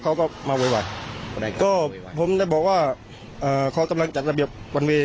เขาก็มาไวไวไวก็ผมได้บอกว่าเขาต้องจัดระเบียบวันวี